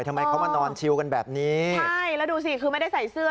ทำไมเขามานอนชิวกันแบบนี้ใช่แล้วดูสิคือไม่ได้ใส่เสื้อ